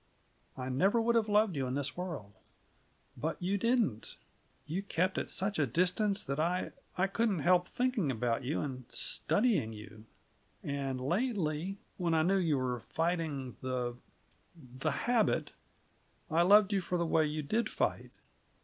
I never would have loved you in this world! But you didn't. You kept at such a distance that I I couldn't help thinking about you and studying you. And lately when I knew you were fighting the the habit I loved you for the way you did fight.